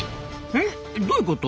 えっどういうこと？